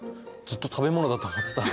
ずっと食べ物だと思ってた。